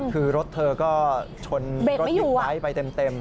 คือรถเธอก็ชนรถบิ๊กไบท์ไปเต็ม